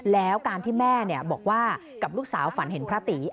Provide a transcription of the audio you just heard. แล้วการที่แม่บอกว่ากับลูกสาวฝันเห็นพระตี